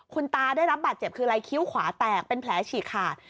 คุณตาได้รับบาดเจ็บคืออะไรคิ้วขวาแตกเป็นแผลฉีกขาด